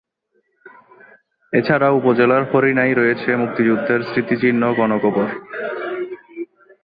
এছাড়া উপজেলার হরিণায় রয়েছে মুক্তিযুদ্ধের স্মৃতিচিহ্ন গণকবর।